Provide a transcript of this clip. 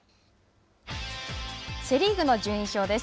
セ・リーグの順位表です。